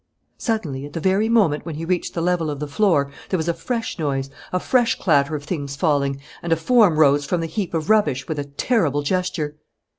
Suddenly, at the very moment when he reached the level of the floor, there was a fresh noise, a fresh clatter of things falling: and a form rose from the heap of rubbish with a terrible gesture.